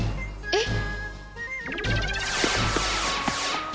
えっ？